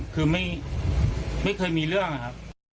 คือไม่เคยมีเรื่องค่ะ